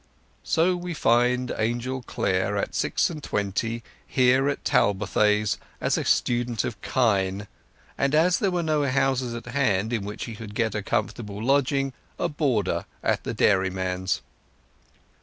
So we find Angel Clare at six and twenty here at Talbothays as a student of kine, and, as there were no houses near at hand in which he could get a comfortable lodging, a boarder at the dairyman's.